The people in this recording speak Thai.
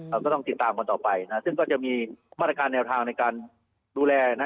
เราก็ต้องติดตามกันต่อไปนะซึ่งก็จะมีมาตรการแนวทางในการดูแลนะ